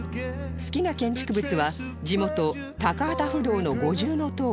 好きな建築物は地元高幡不動の五重塔です